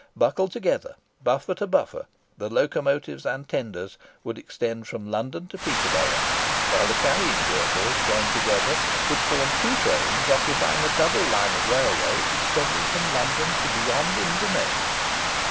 Buckled together, buffer to buffer, the locomotives and tenders would extend from London to Peterborough; while the carrying vehicles, joined together, would form two trains occupying a double line of railway extending from London to beyond Inverness.